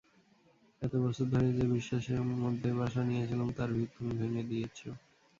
এত বছর ধরে যে-বিশ্বাসের মধ্যে বাসা নিয়েছিলুম তার ভিত তুমি ভেঙে দিয়েছ।